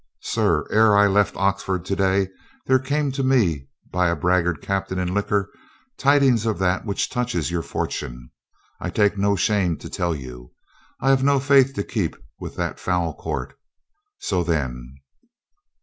Sir, ere I left Oxford to day there came to me by a braggart captain in liquor, tidings of that which touches your fortune. I take no shame to tell you. I have no faith to keep with that foul court. So then.